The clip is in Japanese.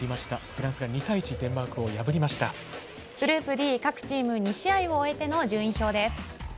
フランスが２対１でグループＤ各チーム２試合を終えての順位表です。